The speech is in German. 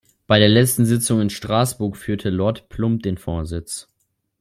Bei der letzten Sitzung in Straßburg führte Lord Plumb den Vorsitz.